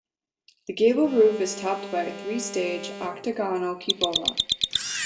The gable roof is topped by a three-stage octagonal cupola.